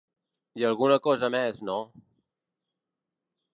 I alguna cosa mes no ?